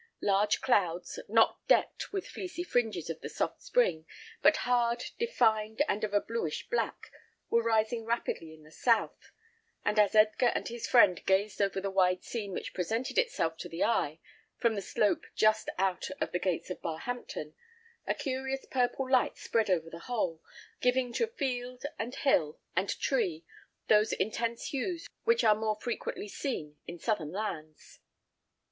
Large clouds, not decked with the fleecy fringes of the soft spring, but hard, defined, and of a bluish black, were rising rapidly in the south; and as Edgar and his friend gazed over the wide scene which presented itself to the eye from the slope just out of the gates of Barhampton, a curious purple light spread over the whole, giving to field, and hill, and tree, those intense hues which are more frequently seen in southern lands.